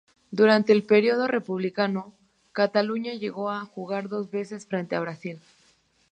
Durante el periodo republicano, Cataluña llegó a jugar dos veces frente a Brasil.